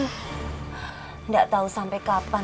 gak tau sampai kapan